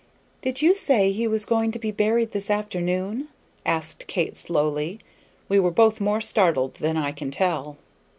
"Did you say he was going to be buried this afternoon?" asked Kate, slowly. We were both more startled than I can tell.